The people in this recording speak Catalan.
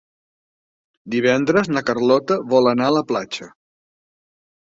Divendres na Carlota vol anar a la platja.